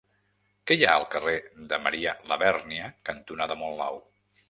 Què hi ha al carrer Marià Labèrnia cantonada Monlau?